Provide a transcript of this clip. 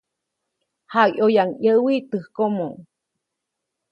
Jaʼyoyaʼuŋ ʼyäwi tyäjkomo.